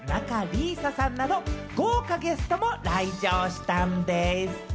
北村匠海さん、仲里依紗さんなど、豪華ゲストも来場したんでぃす。